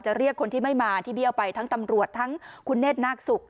เรียกคนที่ไม่มาที่เบี้ยวไปทั้งตำรวจทั้งคุณเนธนาคศุกร์